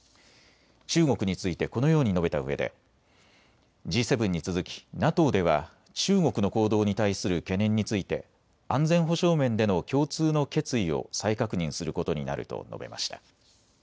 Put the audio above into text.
中国についてこのように述べたうえで、Ｇ７に続きＮＡＴＯでは中国の行動に対する懸念について安全保障面での共通の決意を再確認することになると述べました。